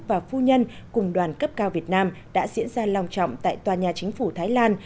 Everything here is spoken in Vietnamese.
và phu nhân cùng đoàn cấp cao việt nam đã diễn ra lòng trọng tại tòa nhà chính phủ thái lan